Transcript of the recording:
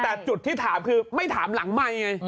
แต่จุดที่ถามคือไม่ถามหลังไมค์ไง